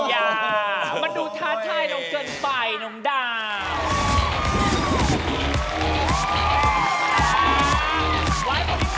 อย่ามันดูท้าทายเราเกินไปน้องดาว